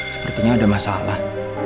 sepertinya ada masalah